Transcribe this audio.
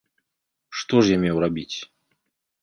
Што ж я меў рабіць?